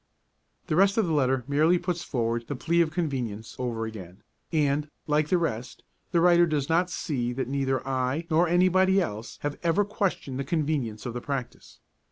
The rest of the letter merely puts forward the plea of convenience over again, and, like the rest, the writer does not see that neither I nor anybody else have ever questioned the convenience of the practice.